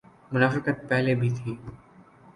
منافقت پہلے بھی تھی۔